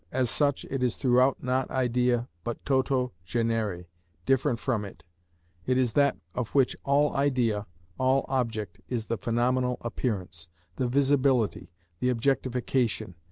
As such, it is throughout not idea, but toto genere different from it; it is that of which all idea, all object, is the phenomenal appearance, the visibility, the objectification.